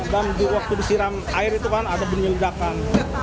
dan di waktu disiram air itu kan ada bunyi ledakan